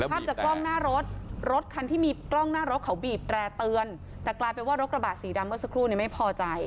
ภาพจากกล้องหน้ารถรถคันที่มีกล้องหน้ารถเขาบีบแตร่เตือนแต่กลายเป็นว่ารถกระบะสีดำเมื่อสักครู่เนี่ยไม่พอใจ